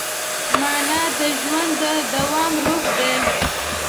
مانا د ژوند د دوام روح ده.